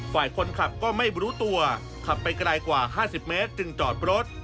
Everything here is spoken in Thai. ฝ่ายคนขับก็ไม่รู้ตัวขับไปไกลกว่า๕๐เมตรจึงจอดรถ